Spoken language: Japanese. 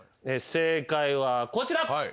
正解はこちら。